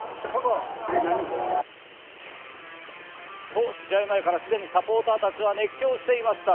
と試合前からすでにサポーターたちは熱狂していました。